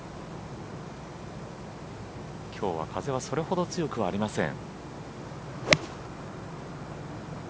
きょうは風はそれほど強くはありません。